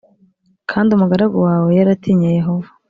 kandi umugaragu wawe yaratinye Yehova